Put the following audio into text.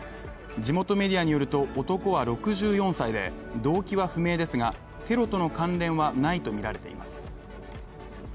地元メディアによると、男は６４歳で、動機は不明ですが、テロとの関連はないとみられています。